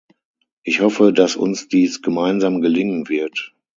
Ich hoffe, dass uns dies gemeinsam gelingen wird.